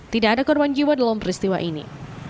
tidak ada korban jiwa dalam peristiwa ini